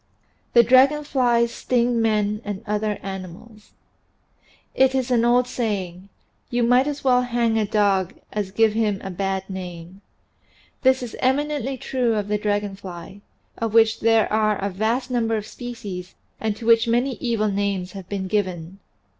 THAT DRAGON FLIES STING MEN AND OTHER ANIMALS )T is an old saying, "You might as well hang a dog as give him a bad name." This is eminently true of the dragon fly, of which there are a vast number of species and to which many evil names have been given.